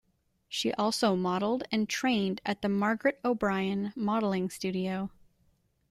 She also modeled and trained at the Margaret O'Brien Modeling Studio.